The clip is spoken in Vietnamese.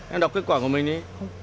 em đọc kết quả của mình đi